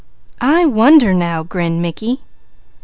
'" "I wonder now!" grinned Mickey.